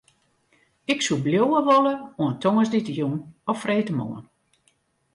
Ik soe bliuwe wolle oant tongersdeitejûn of freedtemoarn.